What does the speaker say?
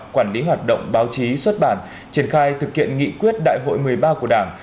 quản lý hoạt động báo chí xuất bản triển khai thực hiện nghị quyết đại hội một mươi ba của đảng